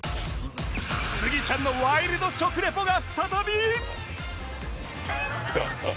スギちゃんのワイルド食リポが再び！